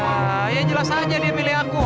eee ya jelas aja dia milih aku